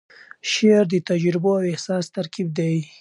شعر د تجربو او احساس ترکیب دی.